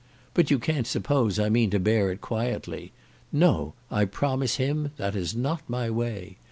But you can't suppose I mean to bear it quietly? No! I promise him that is not my way.